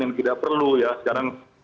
yang tidak perlu ya sekarang